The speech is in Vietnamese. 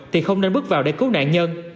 thì không nên bước vào để cứu nạn nhân